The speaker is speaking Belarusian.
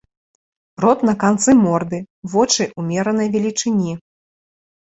Рот на канцы морды, вочы ўмеранай велічыні.